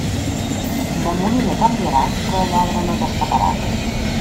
De moliner canviaràs, però de lladre no t'escaparàs.